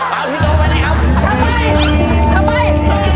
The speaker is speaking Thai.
ทำไม